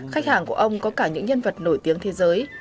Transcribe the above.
khách hàng của ông có cả những nhân vật nổi tiếng thế giới